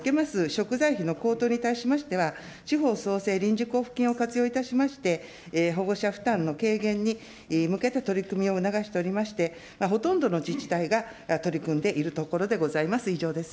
食材費の高騰に対しましては、地方創生臨時交付金を活用いたしまして、保護者負担の軽減に向けて取り組みを促しておりまして、ほとんどの自治体が取り組んでいるところでございます。